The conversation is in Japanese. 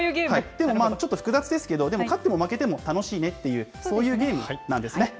ちょっと複雑ですけど、でも勝っても負けても楽しいねっていう、そういうゲームなんですね。